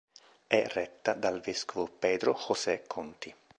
È retta dal vescovo Pedro José Conti.